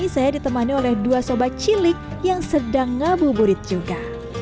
saya ditemani oleh dua sobat cilik yang sedang ngabuburit juga